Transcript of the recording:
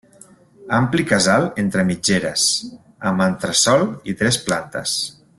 Ampli casal entre mitgeres, amb entresòl i tres plantes.